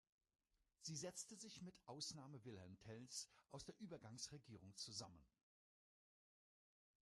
Sie setzte sich mit Ausnahme Wilhelm Tells aus der Übergangsregierung zusammen.